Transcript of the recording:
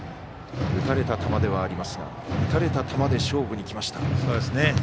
打たれた球ではありますが打たれた球で勝負にきました。